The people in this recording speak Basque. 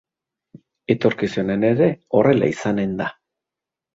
Etorkizunean ere horrela izanen da.